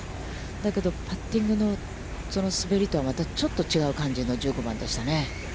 だけど、パッティングの滑りとは、またちょっと違う感じの１５番でしたね。